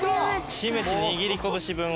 キムチ握りこぶし分を。